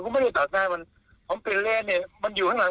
คือมันไม่เข้าใจกฎขราชาณ